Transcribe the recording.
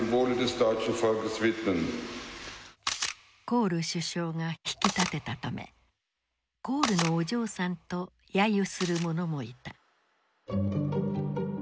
コール首相が引き立てたため「コールのお嬢さん」と揶揄する者もいた。